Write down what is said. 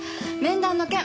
面談の件